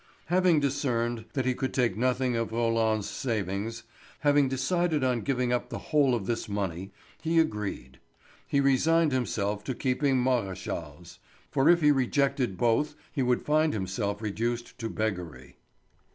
Having discerned that he could take nothing of Roland's savings, having decided on giving up the whole of this money, he agreed; he resigned himself to keeping Maréchal's; for if he rejected both he would find himself reduced to beggary.